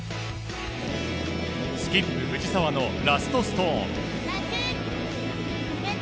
スキップ藤澤のラストストーン。